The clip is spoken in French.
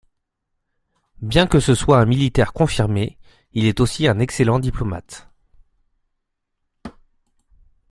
Bien que ce soit un militaire confirmé, il est aussi un excellent diplomate.